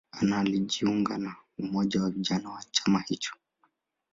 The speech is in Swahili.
Anna alijiunga na umoja wa vijana wa chama hicho.